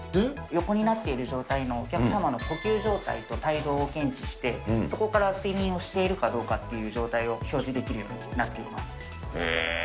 横になっている状態のお客様の呼吸状態と体動を検知して、そこから睡眠をしているかどうかという状態を表示できるようになへえ。